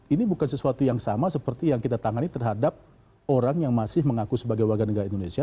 ini bukan sesuatu yang sama seperti yang kita tangani terhadap orang yang masih mengaku sebagai warga negara indonesia